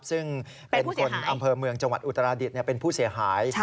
ซึ่งเป็นคนอำเภอเมืองจังหวัดอุตราดิษฐ์เป็นผู้เสียหาย